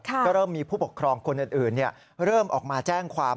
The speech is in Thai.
ก็เริ่มมีผู้ปกครองคนอื่นเริ่มออกมาแจ้งความ